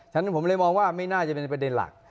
ฉะนั้นผมเลยมองว่าไม่น่าจะเป็นประเด็นหลัก